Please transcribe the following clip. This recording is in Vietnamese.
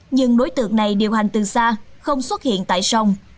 nhưng đối tượng này điều hành từ xa không xuất hiện tại sông